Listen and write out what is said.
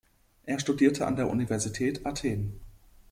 Er studierte an der Universität Athen.